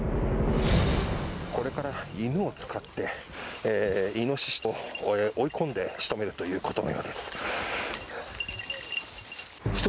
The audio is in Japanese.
これから犬を使ってイノシシを追い込んで仕留めるということのようです。